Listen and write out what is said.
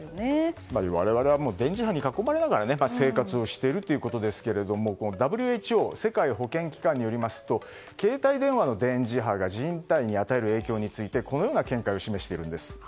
つまり、我々は電磁波に囲まれながら生活をしているということですがＷＨＯ・世界保健機関によりますと携帯電話の電磁波が人体に与える影響についてこのような見解を示しているんです。